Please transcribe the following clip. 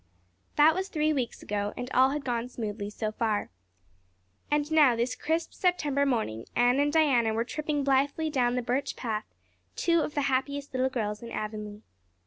That was three weeks ago and all had gone smoothly so far. And now, this crisp September morning, Anne and Diana were tripping blithely down the Birch Path, two of the happiest little girls in Avonlea.